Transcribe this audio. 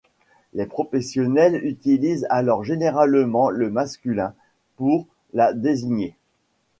Les professionnels utilisent alors généralement le masculin pour la désigner.